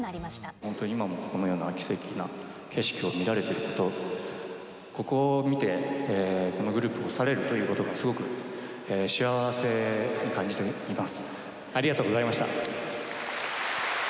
本当に今もこのような奇跡な景色を見られていること、ここを見て、このグループを去れるということが、すごく幸せに感じています。